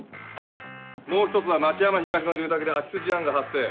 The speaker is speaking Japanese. もう１つは町山東の住宅で空き巣事案が発生。